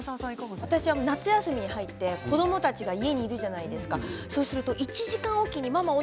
私は夏休みに入って子どもたちが家にいるじゃないですか。